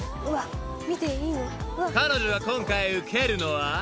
［彼女が今回受けるのは］